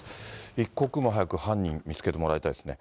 一刻も早く犯人、見つけてもらいたいですね。